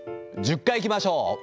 １０回いきましょう。